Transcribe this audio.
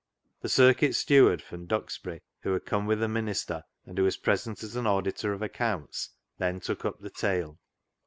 The circuit steward from Duxbury, who had come with the minister, and was present as auditor of accounts, then took up the tale.